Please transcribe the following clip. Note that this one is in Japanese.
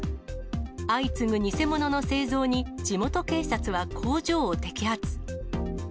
相次ぐ偽物の製造に地元警察は工場を摘発。